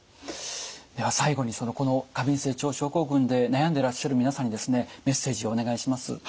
では最後にこの過敏性腸症候群で悩んでらっしゃる皆さんにですねメッセージをお願いします。